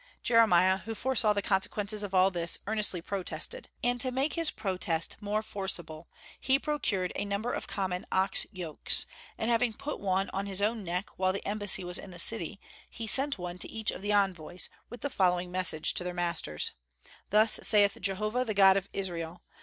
Jeremiah, who foresaw the consequences of all this, earnestly protested. And to make his protest more forcible, he procured a number of common ox yokes, and having put one on his own neck while the embassy was in the city, he sent one to each of the envoys, with the following message to their masters: "Thus saith Jehovah, the God of Israel.